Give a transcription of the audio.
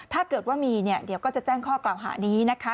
ถ้าเกิดว่ามีเนี่ยเดี๋ยวก็จะแจ้งข้อกล่าวหานี้นะคะ